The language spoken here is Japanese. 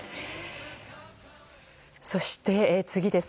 そして、次です。